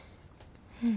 うん。